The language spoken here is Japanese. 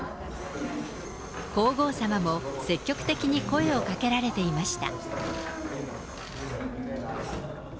皇后さまも積極的に声をかけられていました。